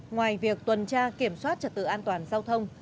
ngoài việc tuần tra kiểm soát trật tự an toàn giao thông